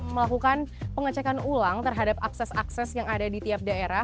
melakukan pengecekan ulang terhadap akses akses yang ada di tiap daerah